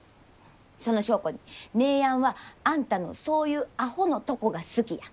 その証拠に姉やんはあんたのそういうアホのとこが好きや。